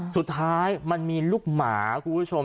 สุดท้ายมันมีลูกหมาคุณผู้ชม